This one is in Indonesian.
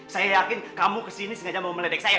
saya yakin kamu kesini sengaja mau meledek saya